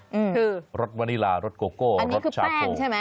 คือรสวานิลารสโกโก้รสชาโพอันนี้คือแป้งใช่ไหม